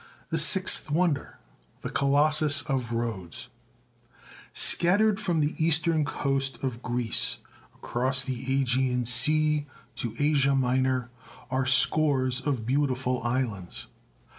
THE SIXTH WONDER THe Colossus of Rhodes 153 THe Colossus of RJnodes SCATTERED from the eastern coast of Greece across the ^Egean Sea to Asia Minor are scores of beautiful islands.